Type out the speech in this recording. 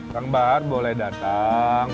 kang bar boleh datang